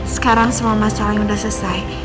sekarang semua masalah yang udah selesai